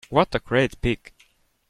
What a great pic!